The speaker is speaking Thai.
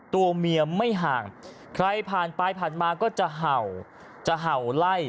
ตัวเมียไม่ห่างใครผ่านไปผ่านมาก็จะเห่าจะเห่าไล่